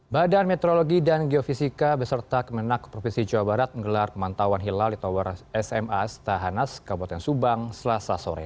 badan meteorologi dan geofisika beserta kemenang provinsi jawa barat menggelar pemantauan hilal di tower sma setahanas kabupaten subang selasa sore